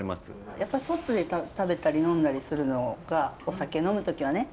やっぱり外で食べたり呑んだりするのがお酒呑む時はね